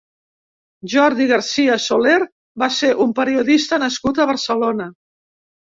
Jordi García-Soler va ser un periodista nascut a Barcelona.